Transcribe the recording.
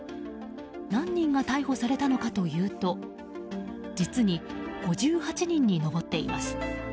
何人が逮捕されたのかというと実に５８人に上っています。